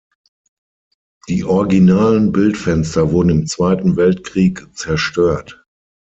Die originalen Bildfenster wurden im Zweiten Weltkrieg zerstört.